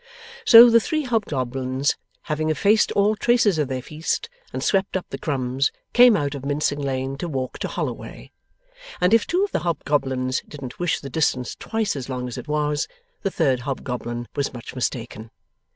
So, the three hobgoblins, having effaced all traces of their feast, and swept up the crumbs, came out of Mincing Lane to walk to Holloway; and if two of the hobgoblins didn't wish the distance twice as long as it was, the third hobgoblin was much mistaken.